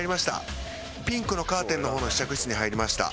ピンクのカーテンの方の試着室に入りました。